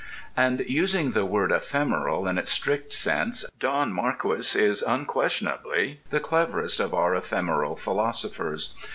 And using the word ephemeral in its strict sense, Don Marquis is unquestionably the cleverest of our ephemeral philosophers.